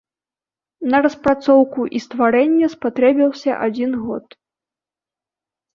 На распрацоўку і стварэнне спатрэбіўся адзін год.